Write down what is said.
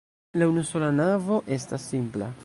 La unusola navo estas simpla.